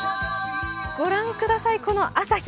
ご覧ください、この朝日！